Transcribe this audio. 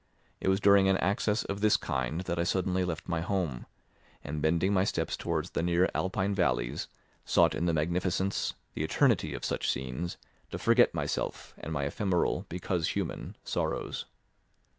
It was during an access of this kind that I suddenly left my home, and bending my steps towards the near Alpine valleys, sought in the magnificence, the eternity of such scenes, to forget myself and my ephemeral, because human, sorrows.